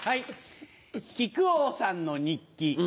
木久扇さんの日記。